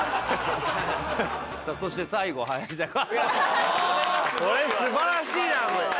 さあそして最後林田君。